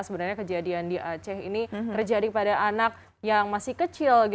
sebenarnya kejadian di aceh ini terjadi pada anak yang masih kecil